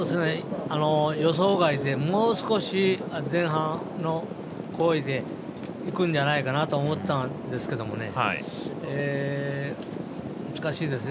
予想外でもう少し前半の好位でいくんじゃないかなと思ったんですけどね。